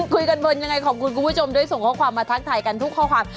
คุยกันบนยังไงขอบคุณคุณผู้ชมด้วยส่งข้อความมาทักทายกันทุกข้อความ